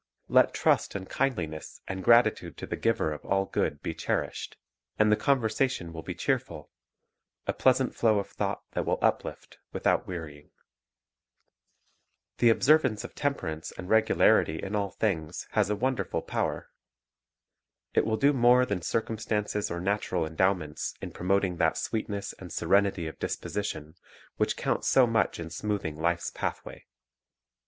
Let trust and kindliness and gratitude to the Giver of all good be cherished, and the conversation will be cheerful, a pleasant flow of thought that will uplift without wearying. Benefits of Temperance The observance of temperance and regularity in all things has a wonderful power. It will do more than circumstances or natural endowments in promoting that sweetness and serenity of disposition which count so much in smoothing life's pathway.